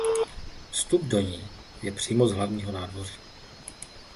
Vstup do ní je přímo z hlavního nádvoří.